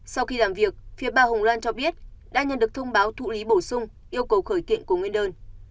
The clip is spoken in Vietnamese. sau khi làm việc phía bà hồng loan cho biết đã nhận được thông báo thụ lý bổ sung yêu cầu khởi kiện của nguyên đơn